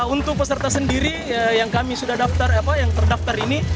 untuk peserta sendiri yang kami sudah daftar apa yang terdaftar ini